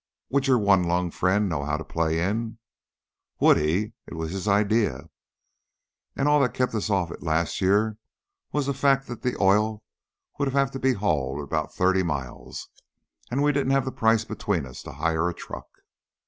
"Would your one lunged friend know how to play in?" "Would he? It was his idea, and all that kept us off of it last year was the fact that the oil would have to be hauled about thirty miles, and we didn't have the price between us to hire a truck."